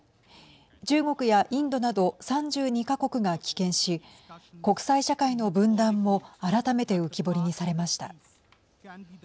中国やインドなど３２か国が棄権し国際社会の分断も改めて浮き彫りにされました。